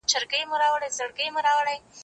زه له سهاره بازار ته ځم؟